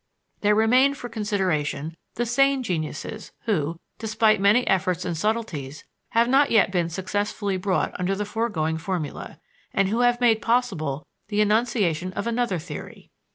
There remain for consideration the sane geniuses who, despite many efforts and subtleties, have not yet been successfully brought under the foregoing formula, and who have made possible the enunciation of another theory.